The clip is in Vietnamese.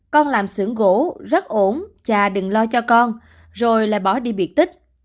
con làm xưởng gỗ rất ổn cha đừng lo cho con rồi lại bỏ đi biệt tích